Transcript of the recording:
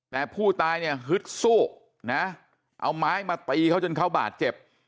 แต่ผู้ตายเนี่ยฮึดสู้นะเอาไม้มาตีเขาจนเขาบาดเจ็บ